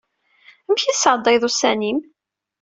Amek i tesɛeddayeḍ ussan-im?